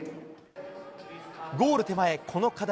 ゴール手前この課題